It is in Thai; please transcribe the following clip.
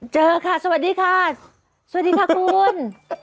เจอค่ะสวัสดีค่ะสวัสดีค่ะคุณ